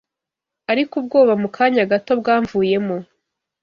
ariko ubwoba mu kanya gato bwamvuyemo